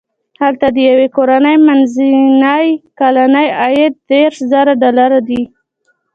هلته د یوې کورنۍ منځنی کلنی عاید دېرش زره ډالر دی.